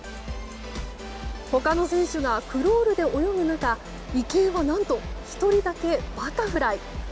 他の選手がクロールで泳ぐ中池江は何と１人だけバタフライ。